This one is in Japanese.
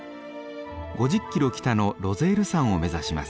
５０キロ北のロゼール山を目指します。